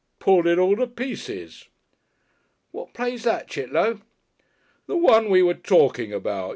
"Pulled it all to pieces." "What play's that, Chit'low?" "The one we were talking about.